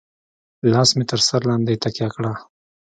لاس مې تر سر لاندې تکيه کړه.